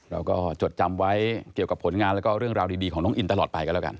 จดจำไว้เกี่ยวกับผลงานแล้วก็เรื่องราวดีของน้องอินตลอดไปกันแล้วกัน